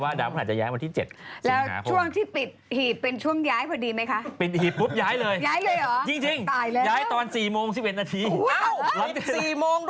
ว่าดาวพระธรรมเนี่ยจะย้ายวันที่๗สิงหาคม